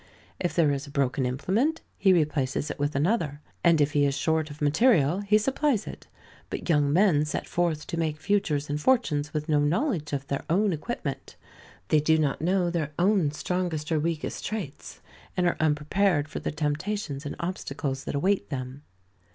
If there is a broken implement, he replaces it with another, and if he is short of material he supplies it. But young men set forth to make futures and fortunes, with no knowledge of their own equipment. They do not know their own strongest or weakest traits, and are unprepared for the temptations and obstacles that await them.